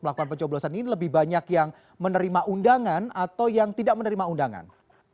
melakukan pencoblosan ini lebih banyak yang menerima undangan atau yang tidak menerima undangan